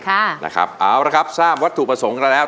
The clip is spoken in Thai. เอานะครับเอาละครับทราบวัตถุประสงค์กันแล้ว